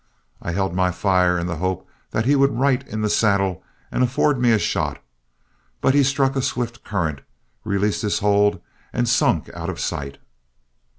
I held my fire in the hope that he would right in the saddle and afford me a shot, but he struck a swift current, released his hold, and sunk out of sight.